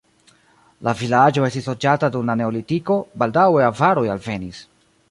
La vilaĝo estis loĝata dum la neolitiko, baldaŭe avaroj alvenis.